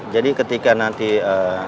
jadi ketika nanti ada kapasitas